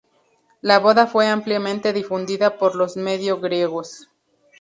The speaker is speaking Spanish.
La boda fue ampliamente difundida por los medio griegos.